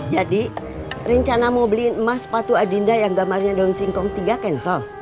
jadi rencana mau beli emas sepatu adinda yang gambarnya daun singkong tiga cancel